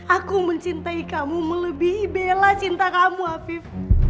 aku mencintai kamu melebihi bella cinta kamu afif